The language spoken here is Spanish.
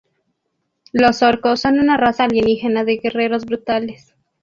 Los Orcos son una raza alienígena de guerreros brutales.